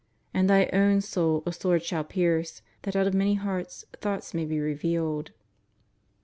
And thy own soul a sword shall pierce, that out of many hearts thoughts may be revealed."